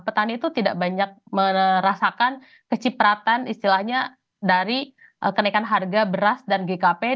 petani itu tidak banyak merasakan kecipratan istilahnya dari kenaikan harga beras dan gkp di awal paruh dua ribu dua puluh empat